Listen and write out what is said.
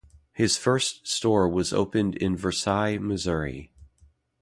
His first store was opened in Versailles, Missouri.